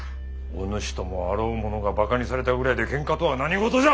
お主ともあろう者がバカにされたぐらいでけんかとは何事じゃ！